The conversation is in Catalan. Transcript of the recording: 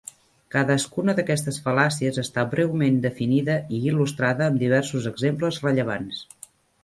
Cadascuna d'aquestes fal·làcies està breument definida i il·lustrada amb diversos exemples rellevants.